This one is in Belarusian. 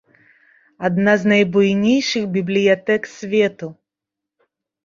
Адна з найбуйнейшых бібліятэк свету.